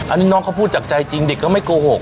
อันนี้น้องเขาพูดจากใจจริงเด็กก็ไม่โกหก